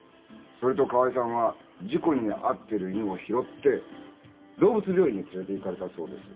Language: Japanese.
それと河合さんは事故に遭ってる犬を拾って動物病院に連れていかれたそうです。